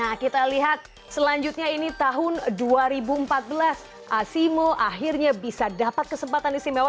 nah kita lihat selanjutnya ini tahun dua ribu empat belas asimo akhirnya bisa dapat kesempatan istimewa